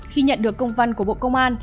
khi nhận được công văn của bộ công an